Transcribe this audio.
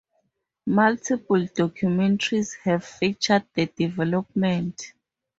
Multiple documentaries have featured the development.